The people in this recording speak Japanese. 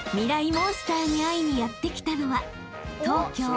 モンスターに会いにやって来たのは］